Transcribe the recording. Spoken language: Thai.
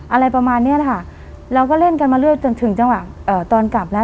อะไรประมาณเนี้ยแหละค่ะเราก็เล่นกันมาเรื่อยจนถึงจังหวะเอ่อตอนกลับแล้ว